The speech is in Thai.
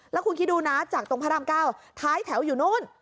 แล้วคุณคิดดูนะจากตรงพระราม๙ท้ายแถวอยู่นู้น